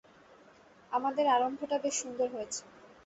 আমাদের আরম্ভটা বেশ সুন্দর হয়েছে।